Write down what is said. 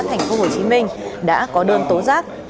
thành phố hồ chí minh đã có đơn tố giác